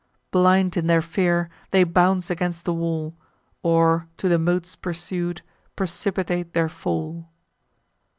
Blind in their fear, they bounce against the wall, Or, to the moats pursued, precipitate their fall.